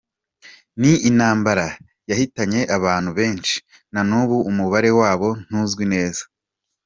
Ni intambara yahitanye abantu benshi, na n’ubu umubare wabo ntuzwi neza.